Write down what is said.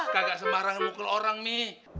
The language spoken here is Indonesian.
kagak sembarangan mukul orang mi